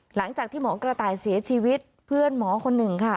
หลังจากที่หมอกระต่ายเสียชีวิตเพื่อนหมอคนหนึ่งค่ะ